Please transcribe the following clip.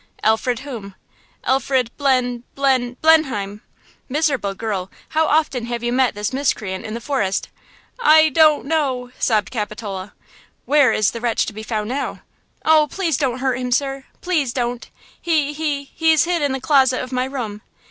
"Alfred whom?" "Alfred Blen–Blen–Blenheim!" "Miserable girl! how often have you met this miscreant in the forest?" "I–don't–know!" sobbed Capitola. "Where is the wretch to be found now?" "Oh, please don't hurt him, sir! Please don't! He–he–he's hid in the closet of my room."